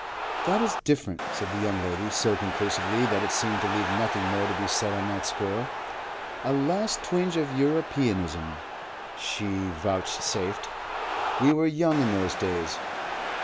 "That is different," said the young lady, so conclusively that it seemed to leave nothing more to be said on that score. "A last twinge of Europeanism," she vouchsafed. "We were young in those days."